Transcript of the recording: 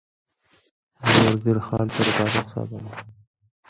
Olivia Wilde played his daughter Jewel and Pamela Gidley played his wife Barbara.